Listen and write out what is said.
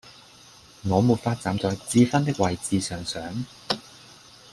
我沒法站在智勳的位置上想